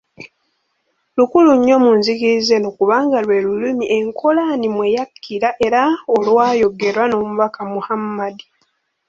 Lukulu nnyo mu nzikiriza eno kubanga lwe lulimi ekkolaani mwe yakkira era olwayogerwa n'omubaka Mohammed.